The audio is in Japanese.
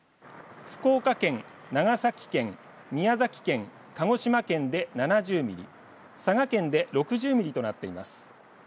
福岡県、長崎県、宮崎県鹿児島県で７０ミリ佐賀県で６０ミリとなっています。